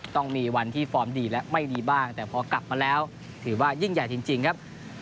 ต้องมีวันที่ฟอร์มดีและไม่ดีบ้างแต่พอกลับมาแล้วถือว่ายิ่งใหญ่จริงครับ